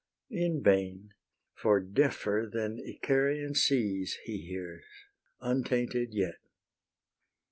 In vain; for deafer than Icarian seas He hears, untainted yet.